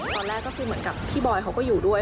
ตอนแรกก็คือเหมือนกับพี่บอยเขาก็อยู่ด้วย